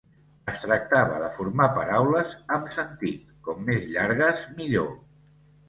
Es tractava de formar paraules amb sentit, com més llargues millor.